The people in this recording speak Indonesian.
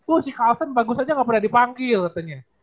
oh si kalsen bagus aja gak pernah dipanggil katanya